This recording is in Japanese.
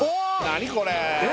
何これ？